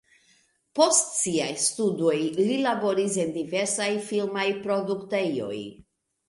Post siaj studoj li laboris en diversaj filmaj produktejoj.